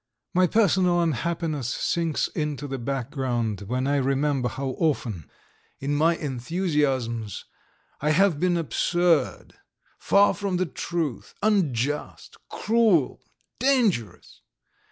"My personal unhappiness sinks into the background when I remember how often in my enthusiasms I have been absurd, far from the truth, unjust, cruel, dangerous!